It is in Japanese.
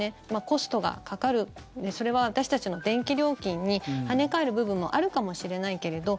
コストがかかるそれは私たちの電気料金に跳ね返る部分もあるかもしれないけれど